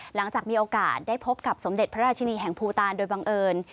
หลังจากมีโอกาสได้พบกับสมเด็จพระราชินีแห่งภูตานโดยบังเอิญ